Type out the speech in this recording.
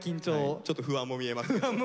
ちょっと不安も見えますけど。